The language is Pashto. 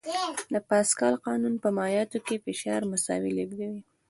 د پاسکال قانون په مایعاتو کې فشار مساوي لېږدوي.